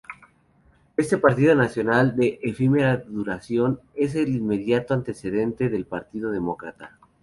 Este Partido Nacional, de efímera duración, es el inmediato antecedente del Partido Demócrata.